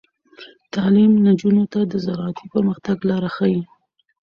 تعلیم نجونو ته د زراعتي پرمختګ لارې ښيي.